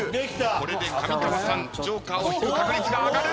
これで上川さんジョーカーを引く確率が上がる。